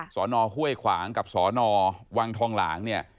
สอนอห้วยขวางกับสอนอวังทองหลาง